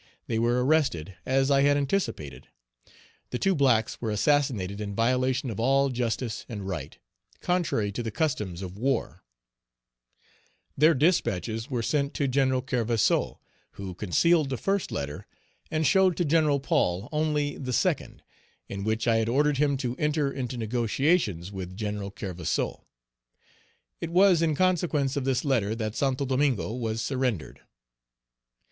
They were arrested, as I had anticipated; the two blacks were assassinated in violation of all justice and right, contrary to the customs of war; their dispatches were sent to Gen. Kerverseau, who concealed the first letter, and showed to Gen. Paul only the second, in which I had ordered him to enter into negotiations with Gen. Kerverseau. It was in consequence of this letter that Santo Domingo was surrendered.